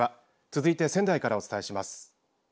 続いて仙台からお伝えします。